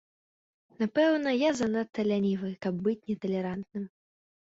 Напэўна, я занадта лянівы, каб быць неталерантным.